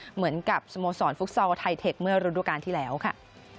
เหมือนกับสโมสรฟุตซอลไทเทคเมื่อฤดูการที่แล้วค่ะ